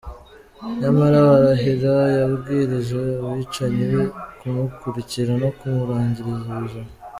Nyamara Barahira yabwirije abicanyi be kumukurikira no kumurangiriza ubuzima.